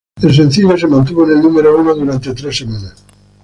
El sencillo se mantuvo en el número uno durante tres semanas.